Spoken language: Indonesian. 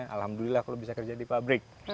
alhamdulillah kalau bisa kerja di pabrik